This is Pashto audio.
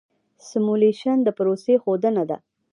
سیمولیشن د پروسې ښودنه ده.